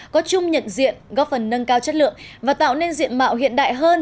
có chung nhận diện góp phần nâng cao chất lượng và tạo nên diện mạo hiện đại hơn